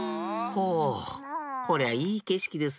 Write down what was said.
ほうこりゃいいけしきですねえ。